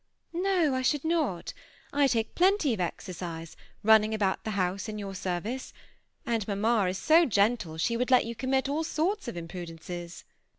^ No, I should not I take plenty of exercise, run ning about the house in your service; and mamma is so gentle, she would let you commit all sorts of im prudences."